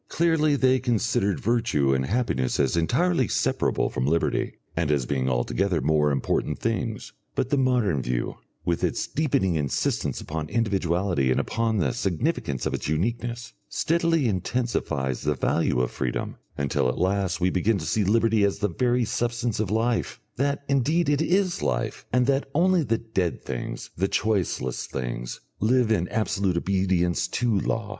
Clearly they considered virtue and happiness as entirely separable from liberty, and as being altogether more important things. But the modern view, with its deepening insistence upon individuality and upon the significance of its uniqueness, steadily intensifies the value of freedom, until at last we begin to see liberty as the very substance of life, that indeed it is life, and that only the dead things, the choiceless things, live in absolute obedience to law.